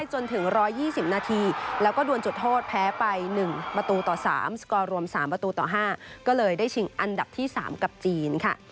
๑ประตูต่อสามก็เลยได้ชิงอันดับที่๓กับจีนค่ะ